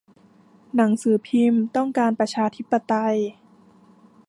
หนังสือพิมพ์ต้องการประชาธิปไตย